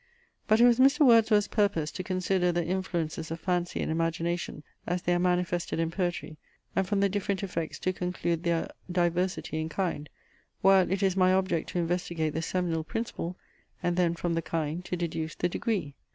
But it was Mr. Wordsworth's purpose to consider the influences of fancy and imagination as they are manifested in poetry, and from the different effects to conclude their diversity in kind; while it is my object to investigate the seminal principle, and then from the kind to deduce the degree.